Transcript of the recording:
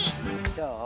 じゃあ。